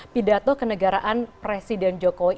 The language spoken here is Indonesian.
pidato kenegaraan presiden jokowi